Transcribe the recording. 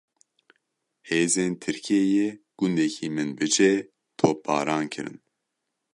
Hêzên Tirkiyeyê gundekî Minbicê topbaran kirin.